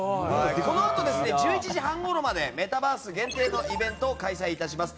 このあと１１時半ごろまでメタバース限定のイベントを開催致します。